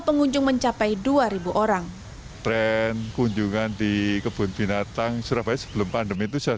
pengunjung mencapai dua ribu orang tren kunjungan di kebun binatang surabaya sebelum pandemi itu saya